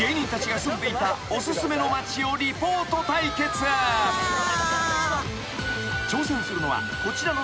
［挑戦するのはこちらの３組］